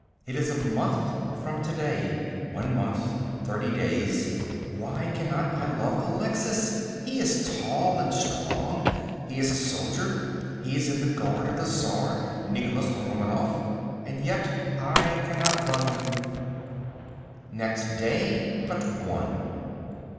It is a month from to day. One month. Thirty days. Why cannot I love Alexis? He is tall and strong. He is a soldier. He is in the Guard of the Czar, Nicholas Romanoff, and yet I cannot love him. Next Day but one.